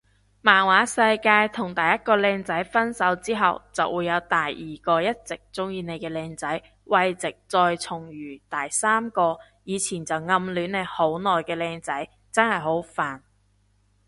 漫畫世界同第一個靚仔分手之後就有第二個一直鍾意你嘅靚仔慰藉再重遇第三個以前就暗戀你好耐嘅靚仔，真係好煩